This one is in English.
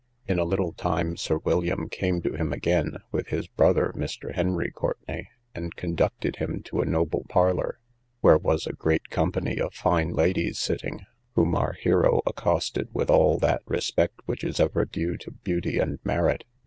In a little time Sir William came to him again, with his brother, Mr. Henry Courtenay, who conducted him to a noble parlour, where was a great company of fine ladies sitting, whom our hero accosted with all that respect which is ever due to beauty and merit.